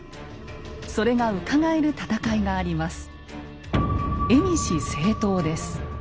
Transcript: それがうかがえる戦いがあります。